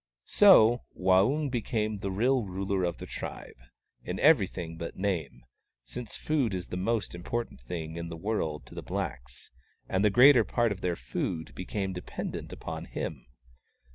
So Waung became the real ruler of the tribe, in everything but name, since food is the most important thing in the world to the blacks, and the greater part of their food became dependent upon him.